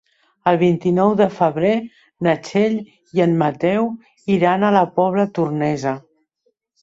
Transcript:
El vint-i-nou de febrer na Txell i en Mateu iran a la Pobla Tornesa.